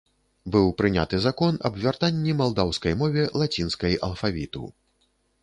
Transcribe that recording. Быў прыняты закон аб вяртанні малдаўскай мове лацінскай алфавіту.